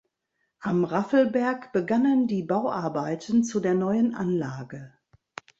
Am Raffelberg begannen die Bauarbeiten zu der neuen Anlage.